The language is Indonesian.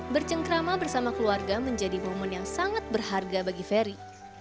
bercengkrama bersama keluarga menjadi momen yang sangat berharga bagi ferry